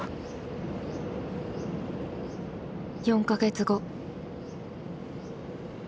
４か月後。